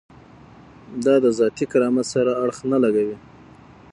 دا د ذاتي کرامت سره اړخ نه لګوي.